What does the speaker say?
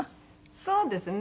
そうですね。